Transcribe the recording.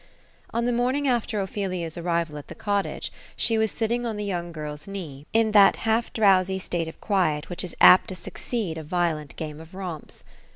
On the morning after Ophelia's arrival at the cottage, she was sit ting on the young girVs knee, in that half drowsy state of quiet, which is apt to succeed a violent game of romps.